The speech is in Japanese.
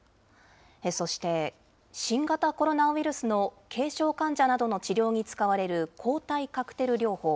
そして新型コロナウイルスの軽症患者などの治療に使われる抗体カクテル療法。